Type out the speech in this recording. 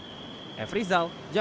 sampai jumpa di video selanjutnya